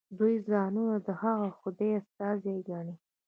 دوی ځانونه د هغه خدای استازي ګڼي.